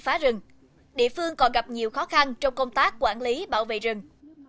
phá rừng địa phương còn gặp nhiều khó khăn trong công tác quản lý bảo vệ rừng